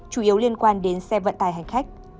chủ yếu liên quan đến xe vận tải hành khách